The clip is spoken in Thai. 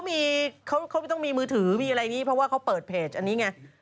เขาไม่ต้องมีมือถือมีอะไรอย่างนี้เพราะว่าเขาเปิดเพจอันนี้ไง